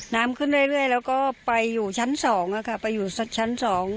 น้ำขึ้นเรื่อยแล้วก็ไปอยู่ชั้น๒ค่ะไปอยู่สักชั้นสอง